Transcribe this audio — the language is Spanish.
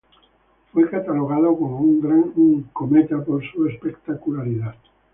Fue catalogado como un Gran cometa, por su espectacularidad.